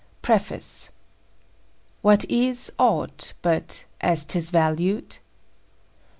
_ PREFACE. "What is aught, but as 'tis valued?"